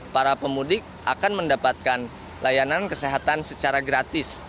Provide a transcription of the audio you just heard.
para pemudik akan mendapatkan layanan kesehatan secara gratis